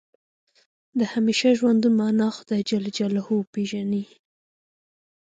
د همیشه ژوندون معنا خدای جل جلاله وپېژني.